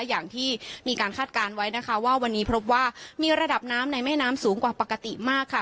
อย่างที่มีการคาดการณ์ไว้นะคะว่าวันนี้พบว่ามีระดับน้ำในแม่น้ำสูงกว่าปกติมากค่ะ